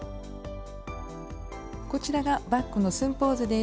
こちらがバッグの寸法図です。